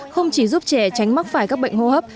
không chỉ giúp trẻ tránh mắc phải các bệnh hô hấp